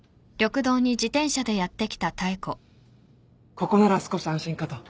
ここなら少し安心かと。